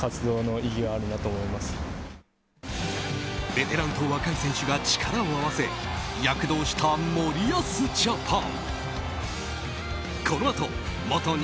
ベテランと若い選手が力を合わせ躍動した森保ジャパン。